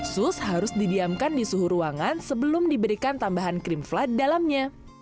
sous harus didiamkan di suhu ruangan sebelum diberikan tambahan krim vla di dalamnya